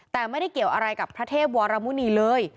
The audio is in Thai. แต่ไม่ได้เกี่ยวอะไรกับพระเทพวรมุณีเลย